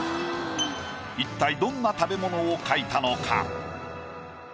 一体どんな食べ物を描いたのか？